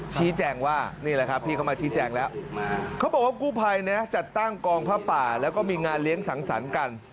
ชี้แจงว่านี่แหละครับพี่เขามาชี้แจงแล้วเขาบอกว่ากู้ภัยนะจัดตั้งกองผ้าป่าแล้วก็มีงานเลี้ยงสังสรรค์กัน